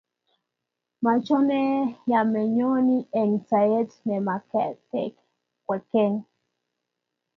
Machome ya menyoni eng' sait ne mekat kwekeny